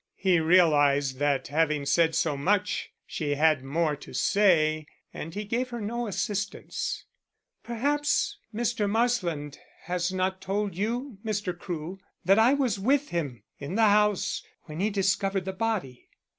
He realized that having said so much she had more to say, and he gave her no assistance. "Perhaps Mr. Marsland has not told you, Mr. Crewe, that I was with him in the house when he discovered the body."